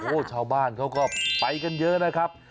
โอ้โหชาวบ้านเขาก็ไปกันเยอะนะครับ